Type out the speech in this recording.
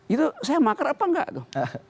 itu saya makar apa enggak tuh